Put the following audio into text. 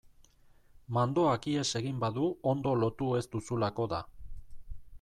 Mandoak ihes egin badu ondo lotu ez duzulako da.